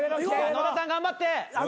野田さん頑張って。